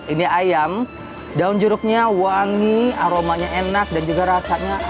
ini ayam daun jeruknya wangi aromanya enak dan juga rasanya enak